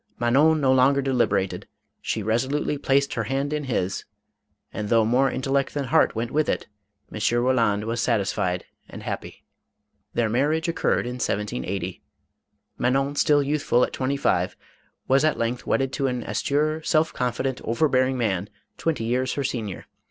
Manon no longer deliberated ; she resolutely placed her hand in his, and though more intellect than heart went with it, M. Roland was satisfied and happy. Their marriage occurred in 1780. Manon, still youthful at twenty five, was at length wedded to an austere, self confident, over bearing man, twenty years her senior.